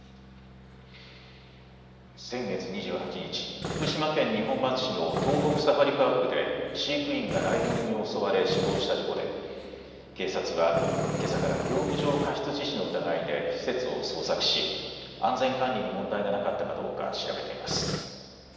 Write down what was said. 先月２８日、福島県二本松市の東北サファリパークで飼育員がライオンに襲われ死亡した事故で警察はけさから業務上過失致死の疑いで施設を捜索し安全管理に問題がなかったかどうか調べています。